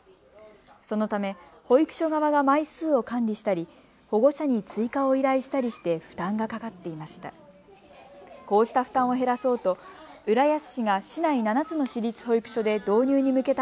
そのため保育所側が枚数を管理したり保護者に追加を依頼したりして負担がかかっていました。